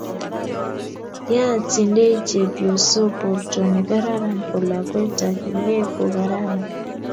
ya tindai chepyoso porto ne kararan ko lakwet ak ine ko kararan